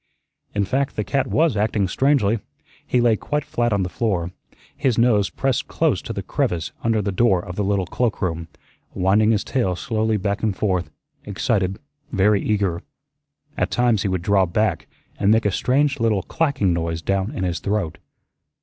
In fact, the cat was acting strangely. He lay quite flat on the floor, his nose pressed close to the crevice under the door of the little cloakroom, winding his tail slowly back and forth, excited, very eager. At times he would draw back and make a strange little clacking noise down in his throat.